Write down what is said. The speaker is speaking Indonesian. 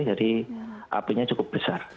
jadi apinya cukup besar